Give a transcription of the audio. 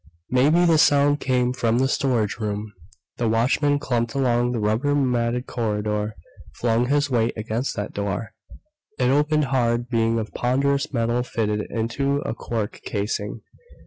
Maybe the sound came from the storage room. The watchman clumped along the rubber matted corridor, flung his weight against that door. It opened hard, being of ponderous metal fitted into a cork casing.